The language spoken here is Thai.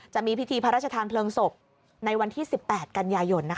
จะมีพิธีพระราชทานเพลิงศพในวันที่๑๘กันยายน